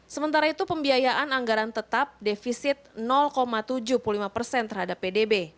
sementara itu pembiayaan anggaran tetap defisit tujuh puluh lima persen terhadap pdb